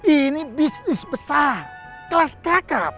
ini bisnis besar kelas kakap